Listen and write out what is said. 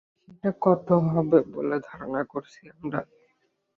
সেটা কত হবে বলে ধারণা করছি আমরা?